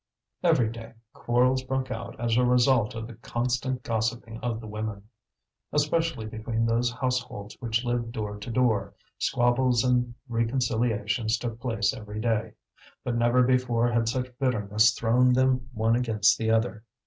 Every day quarrels broke out as a result of the constant gossiping of the women. Especially between those households which lived door to door, squabbles and reconciliations took place every day. But never before had such bitterness thrown them one against the other.